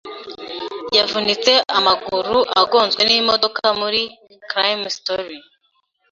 Yavunitse amaguru agonzwe n’imodoka muri Crime Story